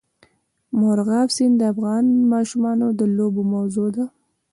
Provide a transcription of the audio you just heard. مورغاب سیند د افغان ماشومانو د لوبو موضوع ده.